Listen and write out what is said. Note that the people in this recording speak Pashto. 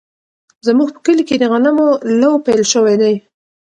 زموږ په کلي کې د غنمو لو پیل شوی دی.